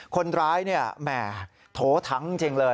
คนร้ายโถทั้งจริงเลย